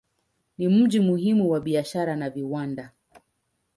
Ni mji muhimu wa biashara na viwanda.